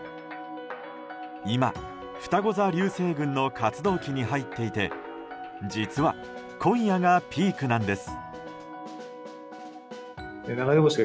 今、ふたご座流星群の活動期に入っていて実は今夜がピークなんです。